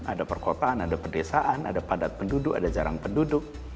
ada perkotaan ada pedesaan ada padat penduduk ada jarang penduduk